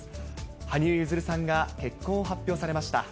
羽生結弦さんが結婚を発表されました。